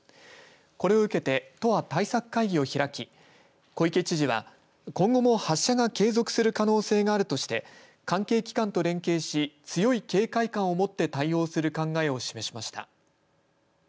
これを受けて都は対策会議を開き小池知事は今後も発射が継続される可能性があるとして関係機関と連携し、強い警戒感をもって対応する考えを示しました。